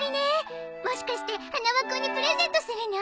もしかして花輪君にプレゼントするの？